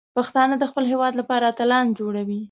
پښتانه د خپل هیواد لپاره اتلان جوړوي.